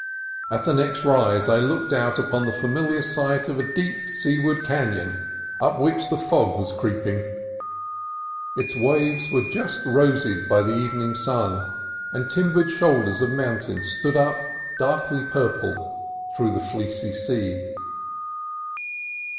At the next rise I looked out upon the familiar sight of a deep seaward canon up which the fog was creeping. Its waves were just rosied by the evening sun, and timbered shoulders of mountain stood up, darkly purple, through the fleecy sea.